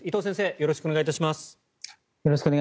よろしくお願いします。